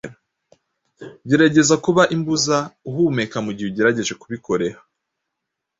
Gerageza kubaimbuza uhumeka mugihe ugerageje kubikoreha